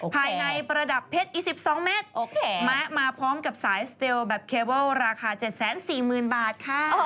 ภายในประดับเพชรอี๑๒เมตรมะมาพร้อมกับสายสเตลแบบเคเบิลราคา๗๔๐๐๐บาทค่ะ